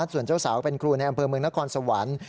ส่วนเจ้าสาวเป็นครูในอำเภอเมืองนครสวรรค์